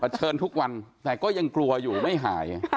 เชิญทุกวันแต่ก็ยังกลัวอยู่ไม่หาย